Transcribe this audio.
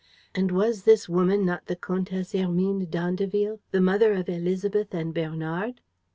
And was this woman not the Comtesse Hermine d'Andeville, the mother of Élisabeth and Bernard?